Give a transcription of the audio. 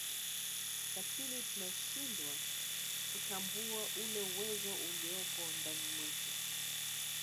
lakini tunashindwa kutambua ule uwezo uliopo ndani mwetu